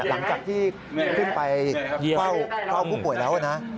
หลังจากที่ขึ้นไปเฝ้าผู้ป่วยแล้วนะ